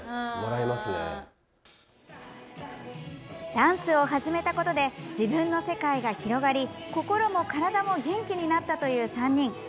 ダンスを始めたことで自分の世界が広がり心も体も元気になったという３人。